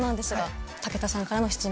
武田さんからの質問